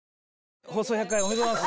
放送１００回おめでとうございます。